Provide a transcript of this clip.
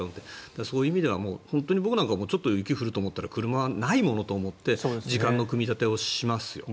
そういう意味では僕もちょっと雪が降ると思ったら車、ないものと思って時間の組み立てをしますよ。